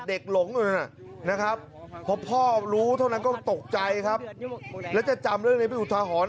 เด็กหลงนะครับเพราะพ่อรู้เท่านั้นก็ตกใจครับแล้วจะจำเรื่องนี้ไปอุทหรณ์